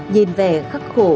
nhìn vẻ khắc khổ